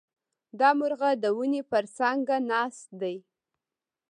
دا مرغه د ونې پر څانګه ناست دی.